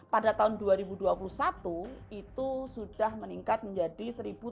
pada tahun dua ribu dua puluh satu itu sudah meningkat menjadi seribu tujuh ratus dua puluh satu